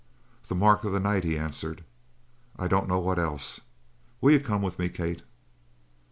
"The mark of the night," he answered. "I don't know what else. Will you come with me, Kate?"